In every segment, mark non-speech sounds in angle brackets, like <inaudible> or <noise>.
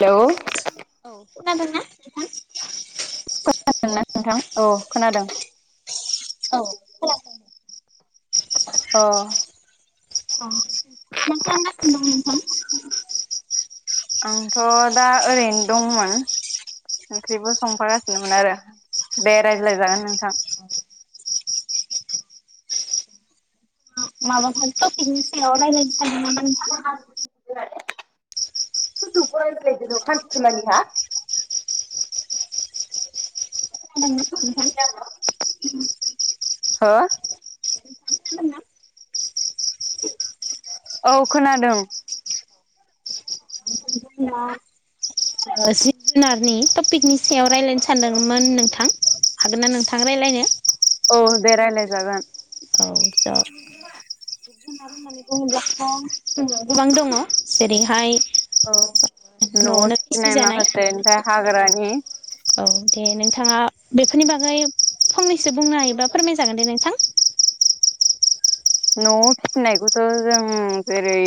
Hello औ खोनादों ना नोंथां? खोनादोंना नोंथां? औ खोनादों। औ खोनादों अ अ मा खालामगासिनो दं नोंथां? आंथ' दा ओरैनो दंमोन। ओंख्रिबो संफागासिनोमोन आरो दे रायज्लायजागोन नोंथां माबाफोर तपिकनि सायाव रायलायजागोन नामा नोंथां? सोरदोबा रायलायदो सानसे मानि हा खोनादोंना नोंथां? हो औ खोनादों। ना <unintelligible> ओ जिब जुनारनि टपिकनि सायाव रायलायनो सानदोंमोन नोंथां हागोन ना नोंथां रायलायनो? औ दे रायलाय जागोन। औ जागोन <unintelligible> होननानै बुङोंब्लाथ' गोबां दंङ जेरैहाय औ न'आव न'आवनो फिसिनाय फिसिजानाय माखासे एमफ्राय हाग्रानि औ दे नोंथांङा बेफोरनि बागै फंनैसो बुंनो हायोबा फोरमायजागोन दे नोंथां न'आव फिसिनायखौथ' जों जेरै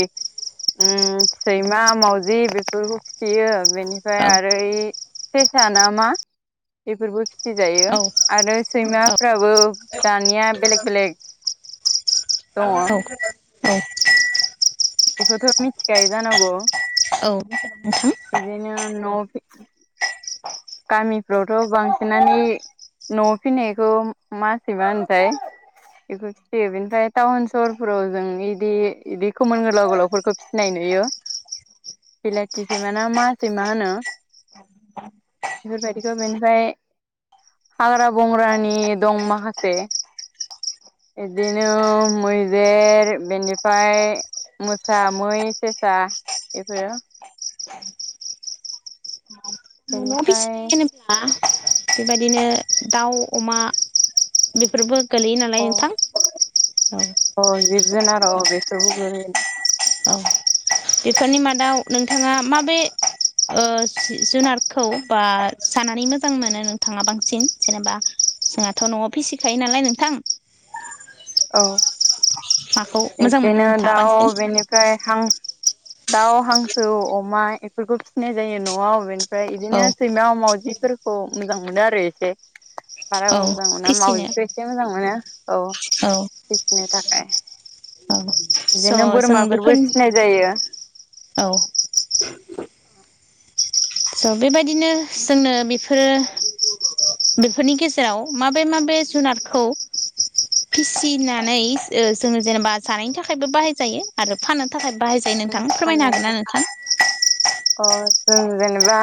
उम सैमा माउजि बेफोरखौ फियो बेनिफ्राय औ आरो ओइ सेसा ना मा बेफोरबो फिसिजायो औ आरो औ सैमाफ्राबो दानिया बेलेग बेलेग दङ औ औ बेखौथ' मिथिखायो जानांगौ। औ नोंथां बिदिनो न'आव फि गामिफ्रावथ' बांसिनानि न'आव फिनायखौ मासैमा होनोथाय बेखौ फिसियो बेनिफ्राय टाउन सहरफ्राव जों इदि इदि खोमोन गोलाव गोलावफोरखौ फिसिनाय नुयो। बिलाथि सैमा ना मा सैमा होनो बेफोरबायदिखौ बेनिफ्राय हाग्रा बंग्रानि दं माखासे इदिनो मैदेर बेनिफाय मोसा मै सेसा एफोरो बेनिफा <unintelligible> बेबादिनो दाउ अमा बेफोरबो <unintelligible> गोलैयो नालाय अ नोंथां औ अ जिब जुनार अ बेफोरबो गुरैयो ना। औ बेफोरनि मादाव नोंथाङा माबे। ओ जि जुनारखौ बा जानानै मोजां मोनो नोंथांङा बांसिन जेनेबा। जोंहाथ' न'आव फिसिखायो नालाय नोंथां। औ माखौ मोजां मोनो बिदिबबनो नोंथाङा दाउ बांसिन ओमफ्राय हांस दाउ हांसो अमा एफोरखौ फिसिनाय जायो न'आव बेनि। ओमफ्राय औ इदिनो सैमा मावजिफोरखौ मोजां मोनो आरो एसे। बारा औ मोजां मोना फिसिनो मावजिखौ एसे मोजां मोनो औ। औ। फिसिनो थाखाय औ स' बिदिनो जों बोरमाफोरबो बेफोरनि फिसिनाय जायो। औ। स' बेबायदिनो जोंनो बेफोरो। बेफोरनि गेजेराव माबे माबे जुनारखौ। फिसिनानै ओ जोंङो जेनेबा जानायनि थाखायबो बाहाय जायो‌। आरो फाननो थाखाय बाहायजायो नोंथां फोरमायनो फाननाय हागोनना नोंथां? अ जों जेनेबा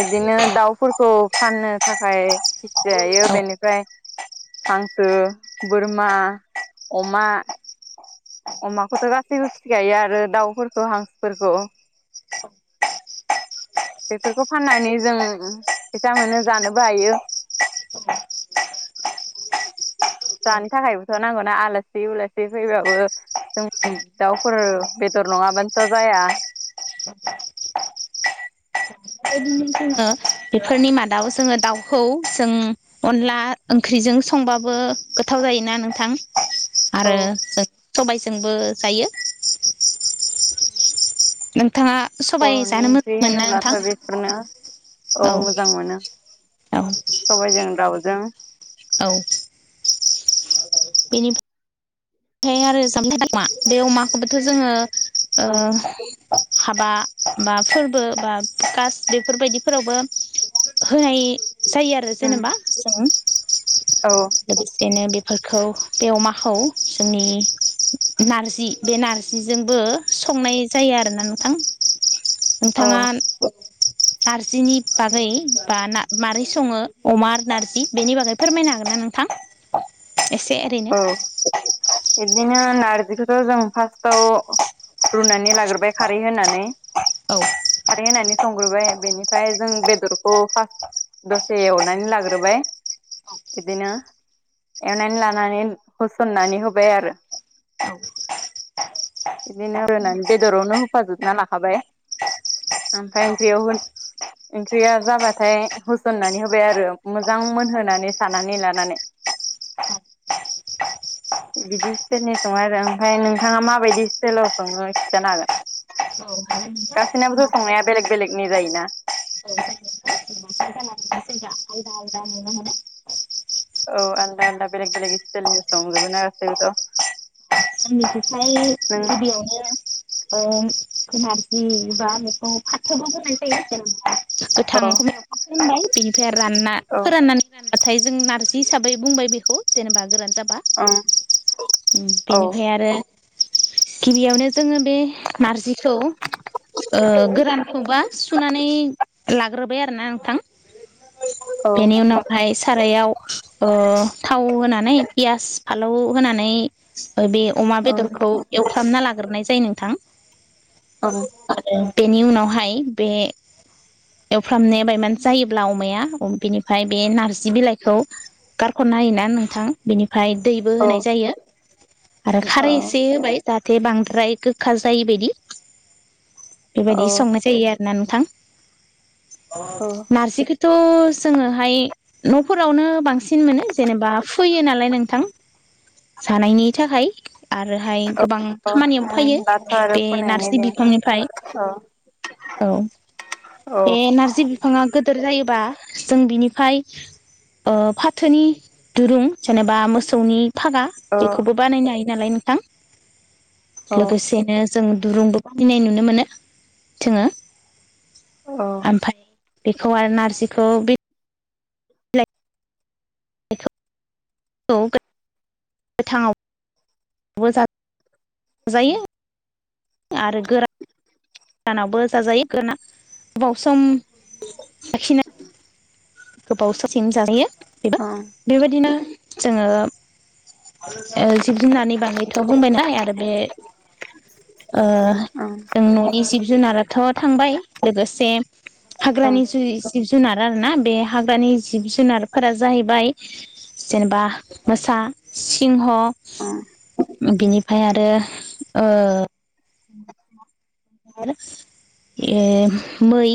इदिनो दाउफोरखौ फाननो थाखाय फिसिजायो बेनिफ्राय। हांसो बोरमा अमा अमाखौथ' गासैबो फिखायो आरो दाउफोरखौ हांसोफोरखौ। बेफोरखौ फाननानै जों फैसा मोनो जानोबो हायो। जानो थाखायबोथ' नांगौना आलासि उलासि फैबाबो। जों दाउफोर बेदर नंङाबानोथ' जाया। ना <unintelligible> बेफोरनि मादाव जोंङो दाउखौ जों। अनला ओंख्रिजों संबाबो गोथाव जायोना नोंथां? औ आरो जों सबायजोंबो जायो। नों। बर'नि ओंख्रि होनोब्लाथ' बेफोरनो औ मोजां मोनो। औ सबाय जों दाव‌जों। औ। बेनिफ्रायफ्राय आरो जामथाय बे अमाखौबोथ'। <unintelligible> ओ औ हाबा बा फोरबो बा कास बेफोरबायदिफोरावबो होनाय आरो जेनेबा जों औ बे। <unintelligible> <unintelligible> खौ बे अमाखौ जोंनि। नारजि बे नारजिजोंबो संनाय जायो आरो ना नोंथां। <inaudible> नोंथांङा। <inaudible> नारजिनि बागै बा ना माबारै संङो अमा नारजि बेनि बागै फोरमायनो हागोन ना नोंथां? <inaudible> एसे ओरैनो औ बिदिनो नारजिखौथ' जों फार्स्टाव। रुनानै लागोरबाय खारै होनानै। औ। खारै होनानै संग्रोबाय बेनिफ्राय जों बेदरखौ फार्स्ट। दसे एवनानै लाग्रोबाय बिदिनो एवनानै ला। नानै होसननानै होबाय आरो। इदिनो <unintelligible> बेदरावनो होफाजोबना लाखाबाय। ओमफाय ओंख्रियाव होन ओंख्रिया जाबाथाय होसननानै होबाय आरो मोजां मोनहोनानै सानानै लानानै। बिदि स्टेलनि सङो आरो ओमफ्राय नोंथाङा माबायदि स्टेलाव संङो खिन्थानो हागोन? नोंथां गासैनाबोथ' नाखौ संनाया बेलेग बेलेगनि जायोना। औ। <unintelligible> जा नुनो मोनो औ आलदा आलदा बेलग बेलग इसटेलनि संजोबोना गासैबोथ'। आंनि खौसाय नों गिबियावनो ओं नारजि बा बेखौ फाथोबो होनाय जायो जेनबा। औ गोथांखौम होनबाय बेनिफ्राय रानना औ फोराननानै गोरानबाथाय जों नारजि हिसाबै बुंबाय बेखौ जेनेबा गोरान जाबा। ओं उम औ बेनिफ्राय आरो गिबियावनो जोङो बे नारजिखौ ओ गोरानखौबा सुनानै लाग्रोबाय आरोना नोंथां। औ बेनि उनाव हाय सारायाव ओ थाव होनानै पियास फालौ होनानै ओ बे अमा ओं बेदरखौ एवथामना लाग्रोनाय जायो नोंथां। ओं। बेनि उनावहाय बे एवफ्रामनो बायमान जायोब्ला अमाया बेनिफ्राय बे नारजि बिलाइखौ गारख'ना होयोना नोंथां बिनिफ्राय दैबो औ होनाय जायो। आरो खारै औ एसे होबाय जाहाथे बांद्राय गोखा जायैबायदि। बेबायदि औ संनाय जायो आरोना नोंथां औ नारजिखो थ' जोङोहाय न'फोरावनो बांसिन मोनो जेनेबा फैयो नालाय नोंथां जानायनि थाखाय आरोहाय गोबां औ खामानियावबो ओं फायो दाथ' आरो बे फरायनायनि नारजि दिन बिफांनिफ्राय औ औ। औ बे नारजि बिफाङा गोदोर जायोबा जों बिनिफाय ओ फाथोनि दुरुं जेनेबा मोसौनि फागा औ बेखौबो बानायनो हायो नालाय नोंथां ओं लोगोसेनो जों दुरुंबो बानायनाय नुनो मोनो जोङो। अ। ओमफफ्राय बेखौ आरो नारजिखौ बे <unintelligible> <unintelligible> गोथाङाव। <unintelligible> जायो। आरो गोरा गोरानावबो जाजायो गोना गोबाव सम लाखिना गोबाव समसिम जाजायो बेबो बेबायदिनो जोङो ओ जिब जुनारनि बागैथ' बुंबायनाय आरो बे ओ ओं जों न'नि जिब जुनारा थ' थांबाय लोगोसे हाग्रानि जिब जुनार आरो ना। बे हाग्रानि जिब जुनारफोरा जाहैबाय जेनबा मोसा सिंह अह बिनिफ्राय आरो ओ <unintelligible> ए मै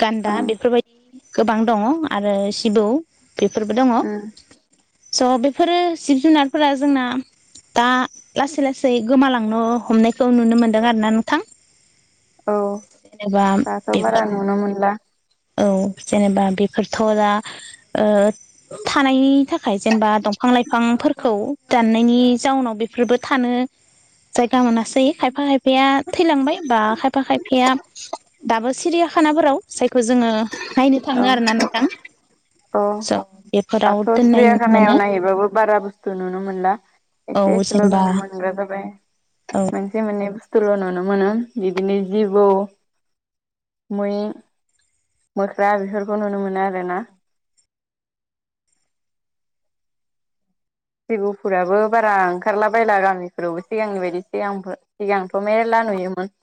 गान्दा ओं बेफोरबायद गोबां दङ आरो सिबौ बेफोरबो दङ। उम स' बेफोरो जिब जुनारफोरा जोंना दा लासै लासै गोमालांनो हमनायखौ नुनो मोनदों आरो ना नोंथां। औ जेनेबा दाथ' बारा बेखौ नुनो मोनला। जेनेबा बेफोर थ दा ओ थानायनि थाखाय जेनेबा दंफां लाइफांफोरखौ दाननायनि जाउनाव बेफोरबो थानो जायगा मोनासै खायफा खायफाया थैलांबाय बा खायफा खायफाया दाबो सिरियाखानाफोराव जायखौ जोङो नायनो थाङो आरो ना नोंथां। अ स' बेफोराव दाथ' दोननाय नुनो मोनो सिरियाखानायाव नायहैबाबो बारा बुस्थु नुनो मोनला। औ एसे एसेल' जेनेबा नुनो मोनग्रा जाबाय। औ मोनसे मोननै बुस्थुल' नुनो मोनो बिदिनो जिबौ मै मोख्रा बेफोरखौ नुनो मोनो आरो ना। जिबौफोराबो बारा ओंखारला बायला गामिफोरावबो सिगांनि बायदि सिगांफोर सिगां मेरला नुयोमोन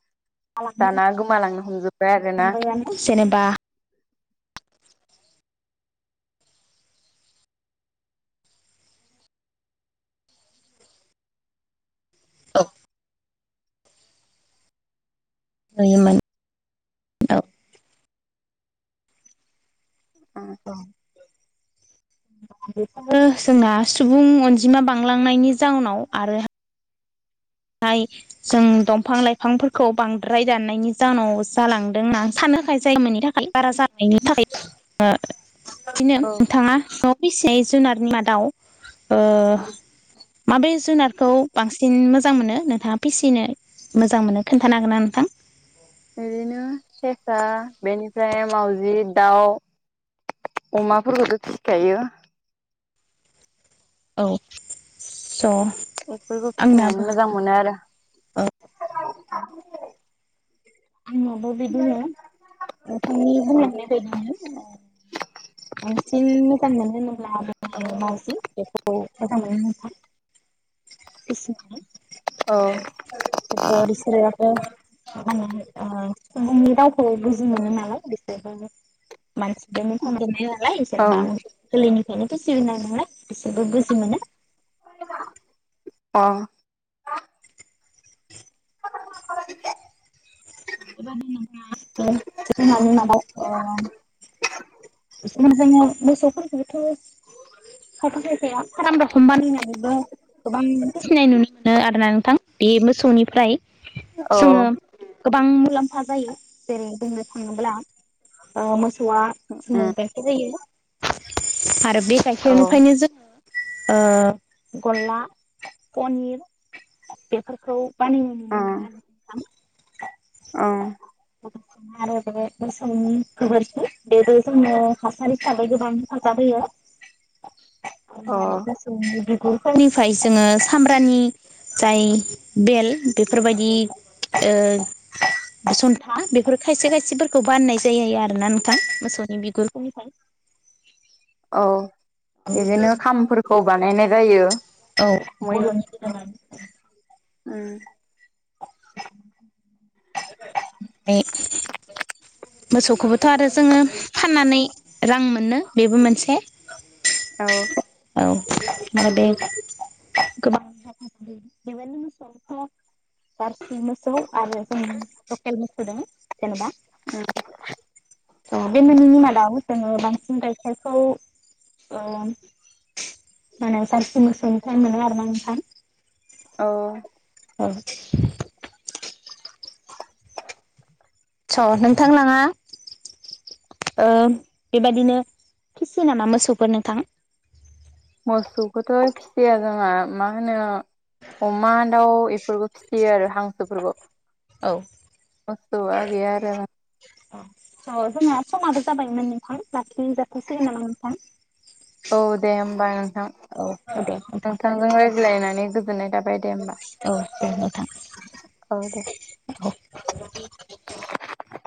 दाना गोमालांनो हमजोब्बाय आरो ना। जेनेबा औ नुयोमोन। औ <unintelligible> <unintelligible> बेफोरो जोंना सुबुं अनजिमा बांलांनायनि जाउनाव आरो <unintelligible> जों दंफां लाइफांफोरखौ बांद्राय दाननायनि जाउनाव जालांदों ना सानो खाय जाय मोनि थाखाय। बारा जानायनि थाखाय <unintelligible> बिदिनो नोंथाङा न'आव फिसिनाय जुनारनि मादाव ओ माबे जुनारखौ बांसिन मोजां मोनो नोंथाङा फिसिनो मोजां मोनो खोन्थानो हागोन ना नोंथां? ओरैनो सेसा बेनिफ्राय मावजि दाव अमाफोरखौथ' फिखायो। औ स' एफोरखौ फिसिनानै आंनाबो मोजां मोनो आरो। आंनावबो बिदिनो नोंथांनि औ बुंलांनाय बायदिनो ओ बांसिन मोजां मोनो होनोब्ला मावजि बेखौ बेखौ मोजां मोनो नोंथां फिसिनो। ओ <unintelligible> मा होनो सुबुंनि रावखौ बुजि मोनो नालाय बेखायनो मानसिजोंनो <unintelligible> नालाय इसोरनो औ <unintelligible> गोरैलैनिफ्रायनो फिसिनानै नालाय बिसोरबो बुजि मोनो। अ <unintelligible> <unintelligible> बिनिखायनो मोसौफोरखौबोथ' खायफा खायफाया फाराम रखम बानायनानैबो गोबां फिसिनाय नुनो मोनो आरना नोंथां बे मोसौनिफ्राय। अ। जोङो गोबां मुलाम्फा जायो जेरै बुंनो थाङोब्ला ओ मोसौआ उम गाइखेर होयो आरो बे औ गाइखेरनिफ्रायनो जोङो ओ गल्ला पनिर बेफोरखौ बानायनो नुनो मोनो आरो। ओं। <inaudible> आरो बे मोसौनि गोबोरखि बेबो जोंनो हासार हिसाबै गोबां हेफाजाब होयो। <inaudible> मोसौ बिगुरफोरनिफ्राय जोङो सामब्रानि जाय बेल बेफोरबायदि ओ <inaudible> बासन्था बेफोर खायसे खायसेफोरखौ बाननाय जायो आर ना नोंथां मोसौनि बिगुरफोरनिफ्राय। औ इदिनो खामफोरखौ बानायनाय जायो। औ, बर'नि <unintelligible> ओम। बे। मोसौखौबोथ' आरो जोङो फाननानै रां मोनो, बेबो मोनसे। औ। औ ओमफ्राय बे गोबां <unintelligible> जारसि मोसौ आरो जों लकेल मोसौ दोङो जेनेबा उम। अ बे मोननैनि मादाव जोङो बांसिन गायखेरखौ औ माने जारसि मोसौनिफ्राय मोनो ना नोंथां। औ। औ। स' नोंथां लाङा। ओ बेबायदिनो फिसियो नामा मोसौफोर नोंथां? मोसौखौथ' फिसिया जोंहा मा होनो अमा दाउ एफोरखौ फि फियो आरो हांसोफोरखौ औ मोसौआ गैया आरो। अ जोंहा समाबो जाबायमोन नोंथां लाखि जा अ दे होमबा नोंथां। औ दे नोंथां नोंथांजों रायज्लायनानै गोजोन्नाय थाब औ दे नोंथां औ दे। ओ। <inaudible>